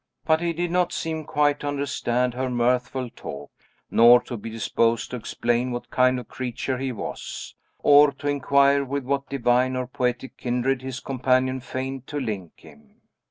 But he did not seem quite to understand her mirthful talk, nor to be disposed to explain what kind of creature he was, or to inquire with what divine or poetic kindred his companion feigned to link him.